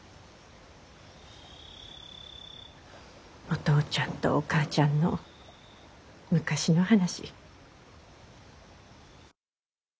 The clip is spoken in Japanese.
お父ちゃんとお母ちゃんの昔の話。